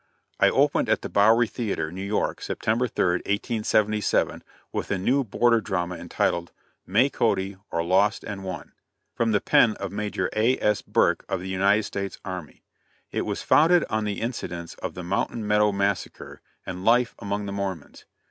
I opened at the Bowery Theatre, New York, September 3d, 1877, with a new Border Drama entitled, "May Cody, or Lost and Won," from the pen of Major A.S. Burt, of the United States army. It was founded on the incidents of the "Mountain Meadow Massacre," and life among the Mormons.